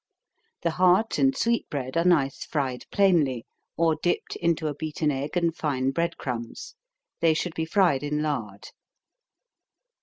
_ The heart and sweet bread are nice fried plainly, or dipped into a beaten egg and fine bread crumbs. They should be fried in lard.